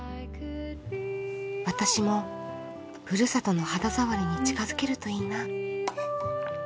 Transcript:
私もふるさとの肌触りに近づけるといいな。